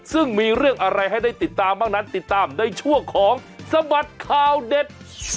ซึ่งมีเรื่องอะไรให้ได้ติดตามบ้างนั้นติดตามในช่วงของสบัดข่าวเด็ด